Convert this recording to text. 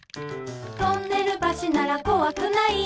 「トンネル橋ならこわくない」